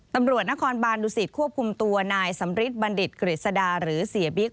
ตำรวจนครบานดุสิตควบคุมตัวนายสำริทบัณฑิตกฤษดาหรือเสียบิ๊ก